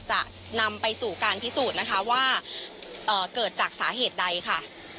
จะนำไปสู่การพิสูจน์นะคะว่าเกิดจากสาเหตุใดค่ะ